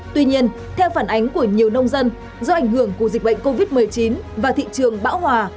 tuy nhiên theo phản ánh của nhiều nông dân do ảnh hưởng của dịch bệnh covid một mươi chín và thị trường bão hòa